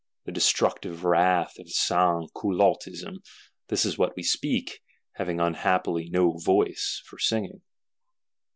The "destructive wrath" of Sansculottism: this is what we speak, having unhappily no voice for singing.